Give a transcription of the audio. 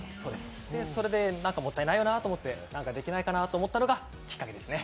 それで何かもったいないよなと思って、何かできないかなと思ったのがきっかけですね。